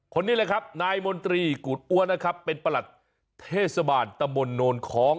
คนนี้แหละครับนายมนตรีกูดอ้วนนะครับเป็นประหลัดเทศบาทตะมนต์โน้นของ